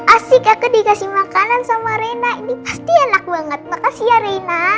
asik aku dikasih makanan sama reina ini pasti enak banget makasih ya reina